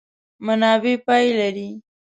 منابع پای لري.